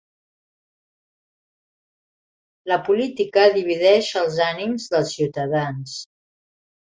La política divideix els ànims dels ciutadans.